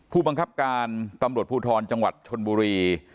ผู้บังคับการตำรวจภูทรจังหวัดชนบุรี